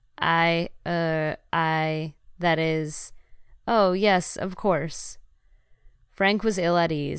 "I er I that is Oh, yes, of course." Frank was ill at ease.